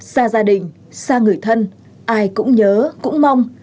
xa gia đình xa người thân ai cũng nhớ cũng mong